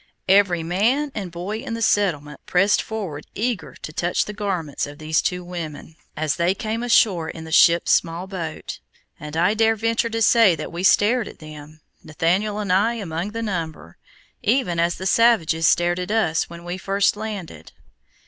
Every man and boy in the settlement pressed forward eager even to touch the garments of these two women as they came ashore in the ship's small boat, and I dare venture to say that we stared at them, Nathaniel and I among the number, even as the savages stared at us when first we landed.